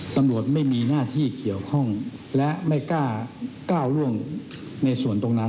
ตำรวจไม่มีหน้าที่เกี่ยวข้องและไม่กล้าก้าวร่วงในส่วนตรงนั้น